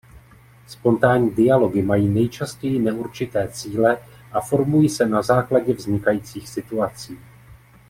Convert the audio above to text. Spontánní dialogy mají nejčastěji neurčité cíle a formují se na základě vznikajících situací.